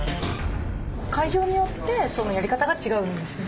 会場によってやり方が違うんですよね。